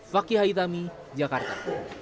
fakih haidami jakarta